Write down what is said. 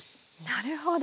なるほど。